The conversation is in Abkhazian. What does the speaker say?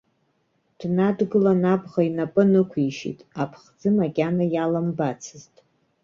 Днадгылан абӷа инапы нықәишьит, аԥхӡы макьана иаламбацызт.